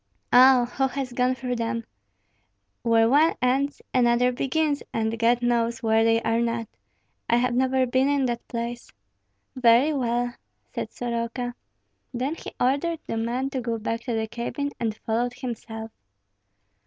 "Oh! who has gone through them? Where one ends another begins, and God knows where they are not; I have never been in that place." "Very well!" said Soroka. Then he ordered the man to go back to the cabin, and followed himself.